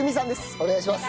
お願いします。